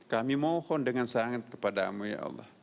kami mohon dengan sangat kepada mu ya allah